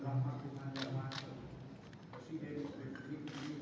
kepala badan intelijen negara kepala badan intelijen negara